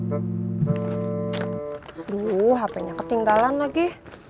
aduh hapenya ketinggalan lagi